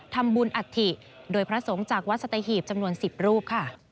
ทำบุญอัฐิโดยพระสงฆ์จากวัดสัตหีบจำนวน๑๐รูปค่ะ